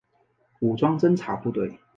武装侦察部队。